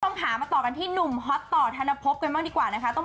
ต้องหามาต่อกันที่หนุ่มฮอตต่อธานภพกันบ้างดีกว่านะคะ